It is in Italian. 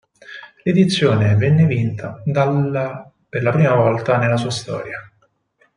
L'edizione venne vinta dall' per la prima volta nella sua storia.